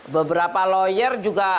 beberapa lawyer juga